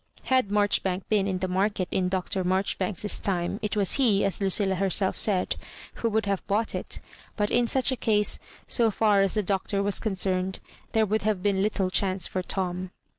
Had Marchbank been in the market in Dr. Marjoribanks's time, it was he, as Lucilla herself said, who would have bought it; but in such a case, so £»* as the Doctor was concerned, there would have been little chance for Tom.